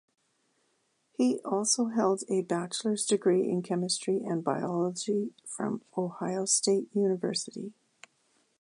He also held a bachelor's degree in chemistry and biology from Ohio State University.